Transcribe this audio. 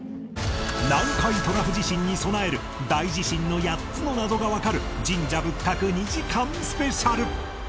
南海トラフ地震に備える大地震の８つの謎がわかる神社仏閣２時間スペシャル